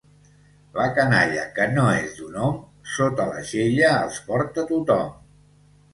La canalla que no és d'un hom, sota l'aixella els porta tothom.